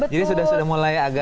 jadi sudah mulai agak